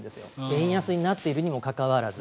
円安になっているにもかかわらず。